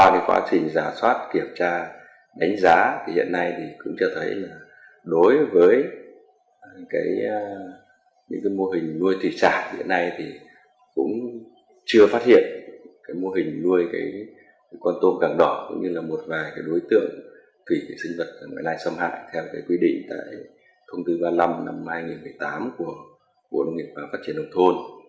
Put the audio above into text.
đối với những mô hình nuôi thủy sản diện này thì cũng chưa phát hiện mô hình nuôi con tôm càng đỏ cũng như là một vài đối tượng thủy sản sống hại theo quy định tại thông tư ba mươi năm năm hai nghìn một mươi tám của bộ nông nghiệp và phát triển nông thôn